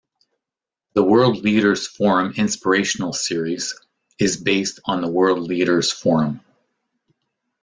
The World Leaders Forum Inspirational Series is based on the World Leaders Forum.